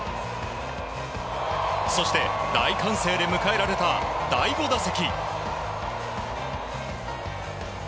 そして、大歓声で迎えられた第５打席。